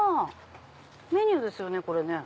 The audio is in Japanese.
メニューですよねこれね。